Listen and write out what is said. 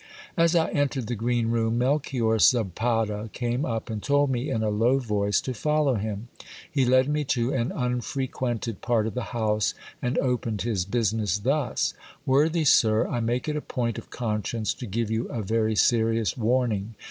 As I entered the green room, Melchior Zapata came up, and told me in a low voice to follow him. He led me to an unfrequented part of the house, and opened his business thus— Worthy sir, I make it a point of conscience to give you a very serious warning.